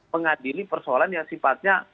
pengadili persoalan yang sifatnya